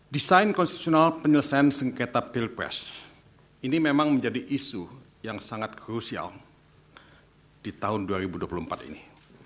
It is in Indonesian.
desain konstitusional penyelesaian sengketa pilpres ini memang menjadi isu yang sangat krusial di tahun dua ribu dua puluh empat ini